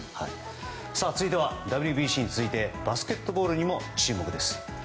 続いては、ＷＢＣに続いてバスケットボールにも注目です。